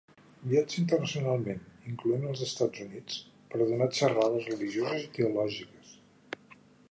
Viatja internacionalment, incloent als Estats Units, per a donar xerrades religioses i teològiques.